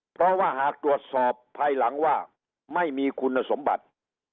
เพราะว่าหากตรวจสอบภายหลังว่าไม่มีคุณสมบัติ